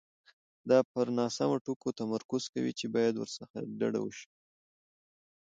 دا پر ناسمو ټکو تمرکز کوي چې باید ورڅخه ډډه وشي.